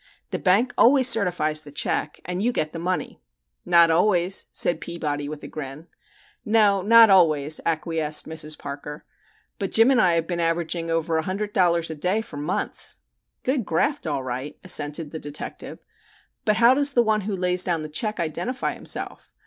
The bank always certifies the check, and you get the money." "Not always," said Peabody with a grin. "No, not always," acquiesced Mrs. Parker. "But Jim and I have been averaging over a hundred dollars a day for months." "Good graft, all right," assented the detective. "But how does the one who lays down the check identify himself?